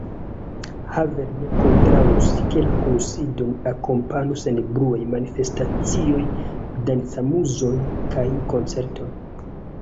Havel ne kontraŭus, ke la kunsidon akompanu senbruaj manifestacioj, dancamuzoj kaj koncertoj.